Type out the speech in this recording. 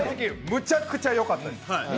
むちゃくちゃよかったです！